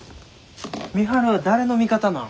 美晴は誰の味方なん？